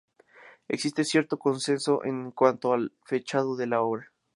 Existe cierto consenso en cuanto al fechado de la obra.